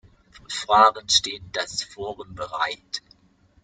Für Fragen steht das Forum bereit.